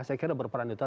saya kira berperan itu